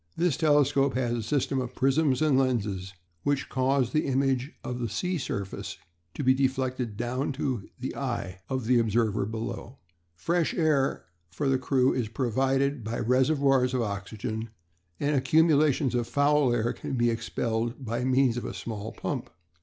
This telescope has a system of prisms and lenses which cause the image of the sea surface to be deflected down to the eye of the observer below. "Fresh air for the crew is provided by reservoirs of oxygen, and accumulations of foul air can be expelled by means of a small pump.